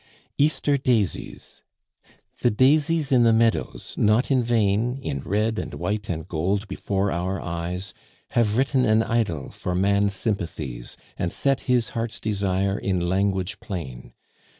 EASTER DAISIES. The daisies in the meadows, not in vain, In red and white and gold before our eyes, Have written an idyll for man's sympathies, And set his heart's desire in language plain.